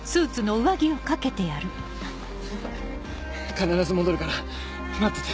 必ず戻るから待ってて。